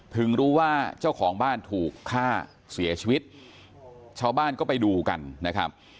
ถึงรู้ว่าเจ้าของบ้านถูกฆ่าเสียชีวิตชาวบ้านก็ไปดูกันนะครับ